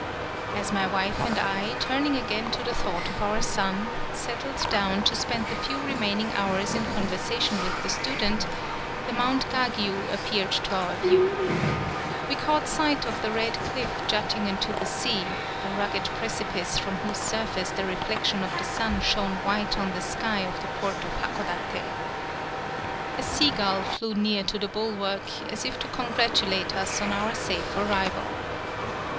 As my wife and I, turning again to the thought of our son, settled down to spend the few remaining hours in con versation with the student, the mount Gagyu appeared to our view. We caught sight of the red cliff jutting into the sea, the rugged precipice from whose surface the reflection of the sun shone white on the sky of the port of 159 PAULOWNIA Hakodate. A sea gull flew near to the bulwark as if to congratulate us on our safe arrival.